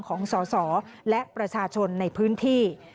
ของสอสอและประชาชนในพื้นที่